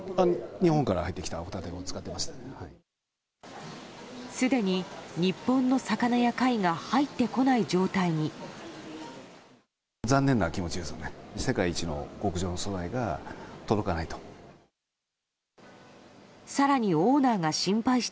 日本から入ってきたホタテを使ってました。